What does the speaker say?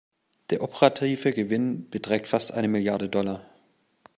Der operative Gewinn beträgt fast eine Milliarde Dollar.